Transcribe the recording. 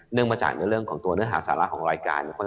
มาจากในเรื่องของตัวเนื้อหาสาระของรายการ